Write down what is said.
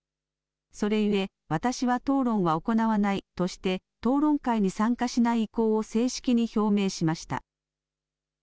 それゆえ私は討論は行わないとして討論会に参加しない意向を正式に表明しました。